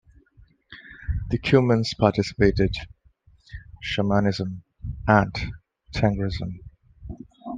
The Cumans practiced Shamanism and Tengrism.